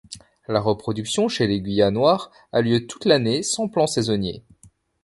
La reproduction chez l'aiguillat noir a lieu toute l'année, sans plan saisonnier.